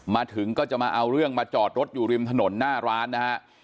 มาถึงก็จะมาเอาเรื่องมาจอดรถอยู่ริมถนนหน้าร้านนะฮะ